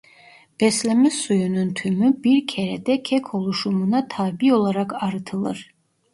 Besleme suyunun tümü bir kerede kek oluşumuna tabi olarak arıtılır.